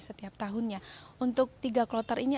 setiap tahunnya untuk tiga kloter ini